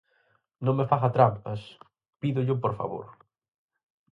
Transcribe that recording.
Non me faga trampas, pídollo por favor.